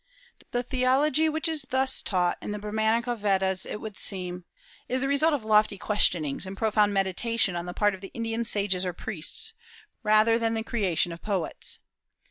The theology which is thus taught in the Brahmanical Vedas, it would seem, is the result of lofty questionings and profound meditation on the part of the Indian sages or priests, rather than the creation of poets.